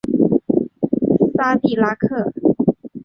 萨迪拉克。